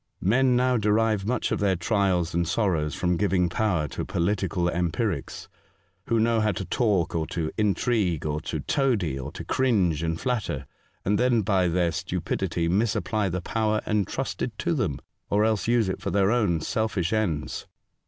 Men now derive mucli of their trials and sorrows from giving power to political empirics, who know how to talk or to intrigue, or to toady, or to cringe and flatter, and then by their stupidity misapply the power entrusted to them, or else use it for their own selfish ends.